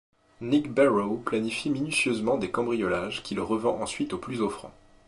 Nick Barrow planifie minutieusement des cambriolages qu'il revend ensuite au plus offrant.